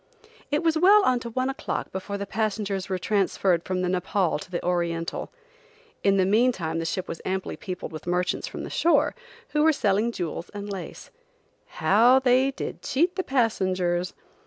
It was well on to one o'clock before the passengers were transferred from the Nepaul to the Oriental. In the meantime the ship was amply peopled with merchants from the shore, who were selling jewels and lace. How they did cheat the passengers!